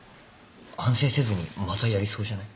反省せずにまたやりそうじゃない？